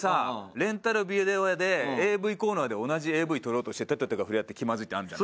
レンタルビデオ屋でＡＶコーナーで同じＡＶ取ろうとして手と手が触れ合って気まずいってあるじゃん。